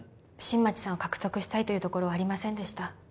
新町さんを獲得したいというところはありませんでした